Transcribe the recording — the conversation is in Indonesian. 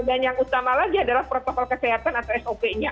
dan yang utama lagi adalah protokol kesehatan atau sop nya